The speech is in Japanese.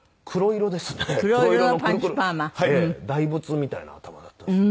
大仏みたいな頭だったんですよ。